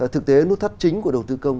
thực tế nút thắt chính của đầu tư công